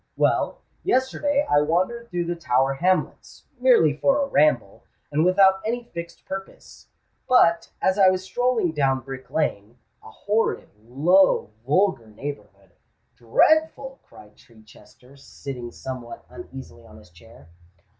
Well, yesterday I wandered through the Tower Hamlets—merely for a ramble—and without any fixed purpose: but, as I was strolling down Brick Lane—a horrid, low, vulgar neighbourhood——" "Dreadful!" cried Chichester, sitting somewhat uneasily on his chair.